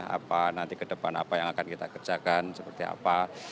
apa nanti ke depan apa yang akan kita kerjakan seperti apa